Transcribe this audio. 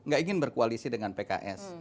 gak ingin berkoalisi dengan pks